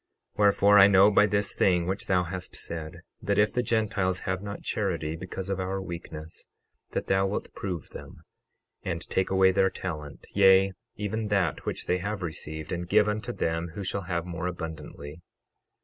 12:35 Wherefore, I know by this thing which thou hast said, that if the Gentiles have not charity, because of our weakness, that thou wilt prove them, and take away their talent, yea, even that which they have received, and give unto them who shall have more abundantly.